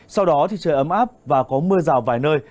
sau đó thì trời ấm áp và có mưa rào vài nơi